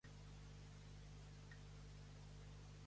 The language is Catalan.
Hi ha algun motor d'actuació que ja s'hagi descartat?